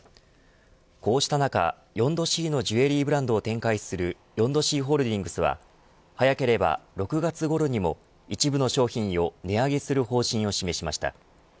こうした中４℃のジュエリーブランドを展開するヨンドシーホールディングスは早ければ６月ごろにも一部の商品を値上げする方針を示しました。